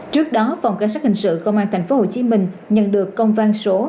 trước đó phòng cảnh sát hình sự công an tp hcm nhận được công văn số hai nghìn bảy trăm bốn mươi bốn